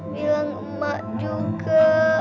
bilang emak juga